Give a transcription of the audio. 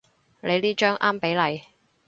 你呢張啱比例